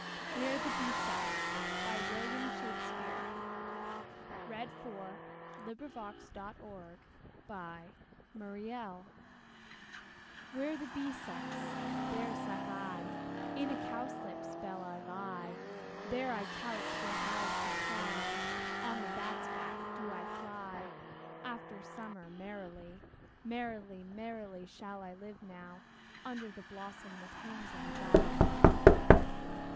r them, ding dong, bell. William Shakespeare Where the Bee Sucks, There Suck I Where the bee sucks, there suck I; In a cowslip's bell I lie; There I couch when owls do cry. On the bat's back I do fly After summer merrily. Merrily, merrily shall I live now Under the blossom that hangs on the bough.